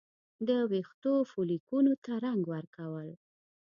د ویښتو فولیکونو ته رنګ ورکول